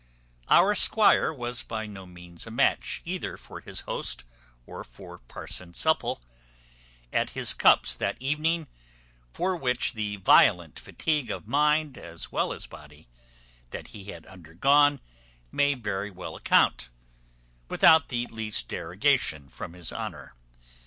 Our squire was by no means a match either for his host, or for parson Supple, at his cups that evening; for which the violent fatigue of mind as well as body that he had undergone, may very well account, without the least derogation from his honour.